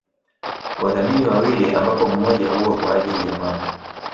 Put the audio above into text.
Wadhamini wawili ambapo mmoja huwa kwa ajili ya mama